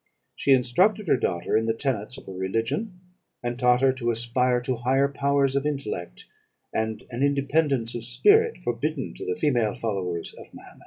She instructed her daughter in the tenets of her religion, and taught her to aspire to higher powers of intellect, and an independence of spirit, forbidden to the female followers of Mahomet.